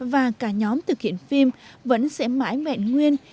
và cả nhóm thực hiện phim vẫn sẽ mãi mẹn nguyên